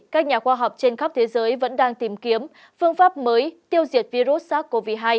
các nhà khoa học trên khắp thế giới vẫn đang tìm kiếm phương pháp mới tiêu diệt virus sars cov hai